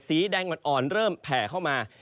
สีแดงอ่อนเริ่มแผ่เข้ามา